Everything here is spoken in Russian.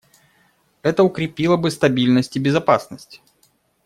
Это укрепило бы стабильность и безопасность.